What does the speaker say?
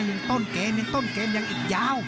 ยกแรกนะต้นเกมยังอีกยาว